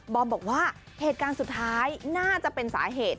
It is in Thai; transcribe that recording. อมบอกว่าเหตุการณ์สุดท้ายน่าจะเป็นสาเหตุ